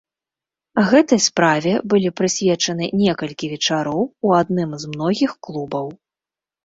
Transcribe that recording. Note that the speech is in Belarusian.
Гэтай справе былі прысвечаны некалькі вечароў у адным з многіх клубаў.